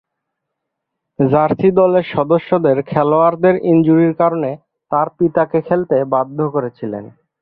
Jersey দলের সদস্য খেলোয়াড়দের ইনজুরির কারণে তার পিতাকে খেলতে বাধ্য করেছিল।